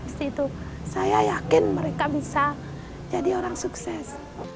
setelah itu saya yakin mereka bisa jadi orang sukses